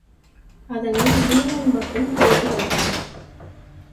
அதனை வீமன் மட்டும் கேட்டு வைத்தான்.